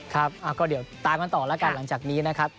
ครับก็เดี๋ยวตามกันต่อแล้วกันหลังจากนี้นะครับ